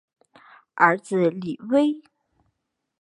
儿子李威。